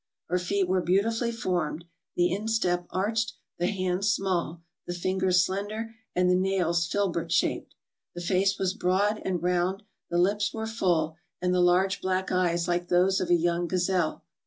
Her feet were beau tifully formed, the instep arched, the hands small, the fingers slender, and the nails filbert shaped. The face was broad and round, the lips were full, and the large, black eyes, like those of a young gazelle.